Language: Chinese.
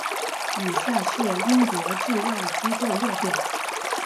以下是英国驻外机构列表。